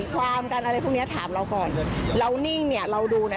ท่วยังไม่แบบเดินผงผากเข้ามา